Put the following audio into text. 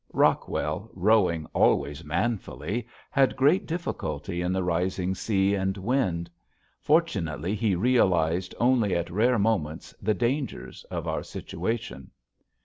Rockwell, rowing always manfully, had great difficulty in the rising sea and wind. Fortunately he realized only at rare moments the dangers of our situation.